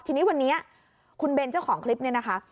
ทีนี้วันนี้คุณเบนเจ้าของคลิปเนี่ยนะคะ